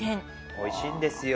おいしいんですよ。